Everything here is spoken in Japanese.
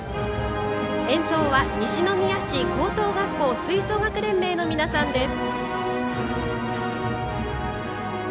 演奏は西宮市高等学校吹奏楽連盟の皆さんです。